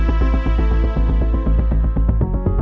ini adalah bukti